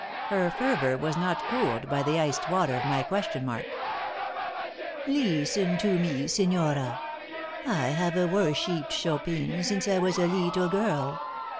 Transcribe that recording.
Her fervor was not cooled by the iced water of my question mark. "Leesten to me, signora. I hava worsheeped Chopin since I was a leetle girl.